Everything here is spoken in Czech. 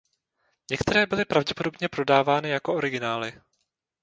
Některé byly pravděpodobně prodávány jako originály.